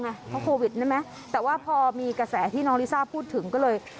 เพราะโควิดใช่ไหมแต่ว่าพอมีกระแสที่น้องลิซ่าพูดถึงก็เลย